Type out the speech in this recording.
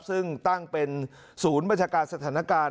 ซึ่งตั้งเป็นศูนย์บัญชาการสถานการณ์